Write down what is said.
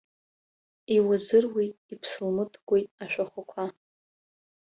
Иуазыруеит, иԥсылмыткуеит ашәахәақәа.